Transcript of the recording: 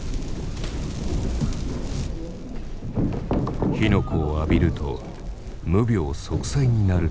火の粉を浴びると無病息災になるという。